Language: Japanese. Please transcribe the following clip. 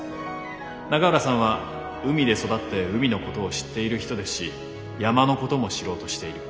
永浦さんは海で育って海のことを知っている人ですし山のことも知ろうとしている。